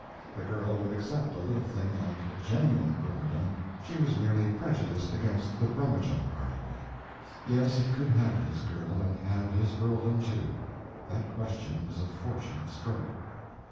The girl would accept a little thing like a genuine earldom, she was merely prejudiced against the brummagem article. Yes, he could have his girl and have his earldom, too: that question was a fortunate stroke.